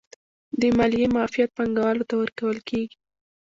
د مالیې معافیت پانګوالو ته ورکول کیږي